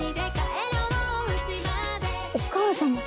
お母様。